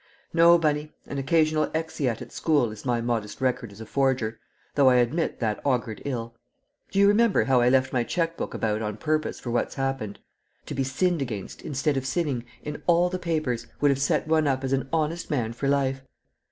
"No, Bunny, an occasional exeat at school is my modest record as a forger, though I admit that augured ill. Do you remember how I left my cheque book about on purpose for what's happened? To be sinned against instead of sinning, in all the papers, would have set one up as an honest man for life.